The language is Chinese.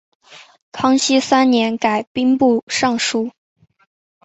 康熙三年改兵部尚书。